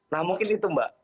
nah mungkin itu mbak